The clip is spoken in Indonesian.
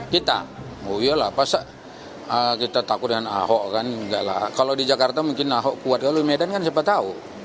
kita oh iya lah pas kita takut dengan ahok kan enggak lah kalau di jakarta mungkin ahok kuat kalau medan kan siapa tahu